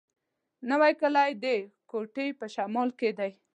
نوی کلی د کوټي په شمال کي دی.